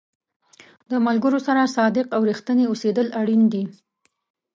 د ملګرو سره صادق او رښتینی اوسېدل اړین دي.